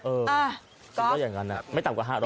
เออจริงก็อย่างนั้นไม่ต่ำกว่า๕๐๐อ่ะ